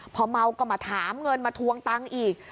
พอเมาก็มาถามเงินมาทวงตังค์อีก